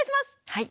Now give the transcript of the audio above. はい。